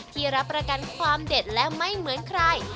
ที่รับประกันความเด็ดและไม่เหมือนใคร